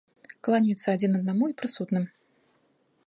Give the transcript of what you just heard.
Кланяюцца адзін аднаму і прысутным.